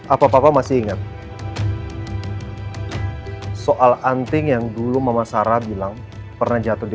apa apa masih ingat soal anting yang dulu mama sarah bilang pernah jatuh di